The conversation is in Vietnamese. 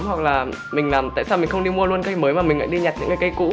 hoặc là mình làm tại sao mình không đi mua luôn cây mới mà mình lại đi nhặt những cái cây cũ